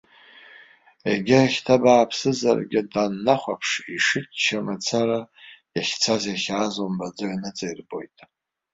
Егьа ихьҭа бааԥсызаргьы, даннахәаԥш, дшыччо мацара иахьцаз иахьааз умбаӡо иныҵаирбоит.